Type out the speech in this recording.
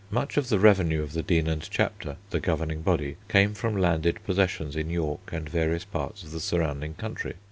Much of the revenue of the Dean and Chapter, the Governing Body, came from landed possessions in York and various parts of the surrounding country.